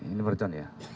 ini mercon ya